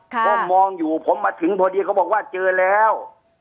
ก็มองอยู่ผมมาถึงพอดีเขาบอกว่าเจอแล้ว